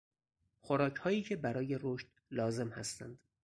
خوراکهایی که برای رشد لازم هستند